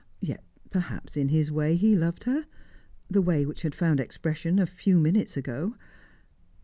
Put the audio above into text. Yet perhaps in his way, he loved her the way which had found expression a few minutes ago.